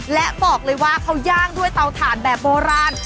และบอกเลยว่าเขาย่างด้วยเตาถ่านแบบโบราณ